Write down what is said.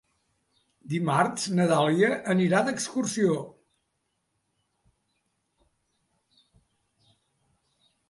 Dimarts na Dàlia anirà d'excursió.